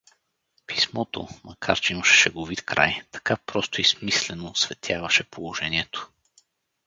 Писмото, макар че имаше шеговит край, така просто и смислено осветяваше положението!